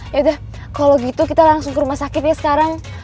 yaudah kalau gitu kita langsung ke rumah sakit ya sekarang